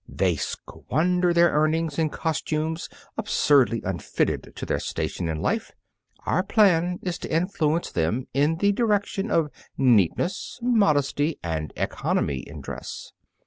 They squander their earnings in costumes absurdly unfitted to their station in life. Our plan is to influence them in the direction of neatness, modesty, and economy in dress.